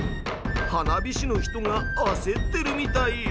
花火師の人があせってるみたい。